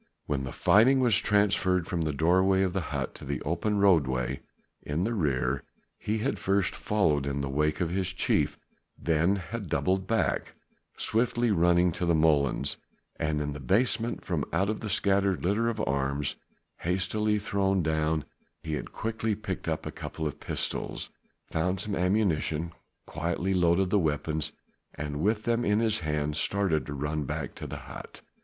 When the fighting was transferred from the doorway of the hut to the open road way in the rear, he had at first followed in the wake of his chief, then he had doubled back, swiftly running to the molens, and in the basement from out the scattered litter of arms hastily thrown down, he had quickly picked up a couple of pistols, found some ammunition, quietly loaded the weapons and with them in his hand started to run back to the hut.